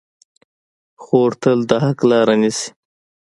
خور تل د حق لاره نیسي.